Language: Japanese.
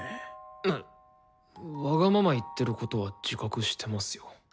わがまま言ってることは自覚してますよ。